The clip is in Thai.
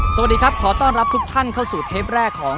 สวัสดีครับขอต้อนรับทุกท่านเข้าสู่เทปแรกของ